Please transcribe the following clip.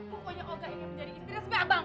pokoknya olga ingin menjadi istri resmi abang